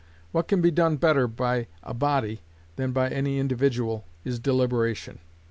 What can be done better by a body than by any individual is deliberation.